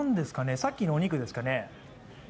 さっきのお肉ですかね。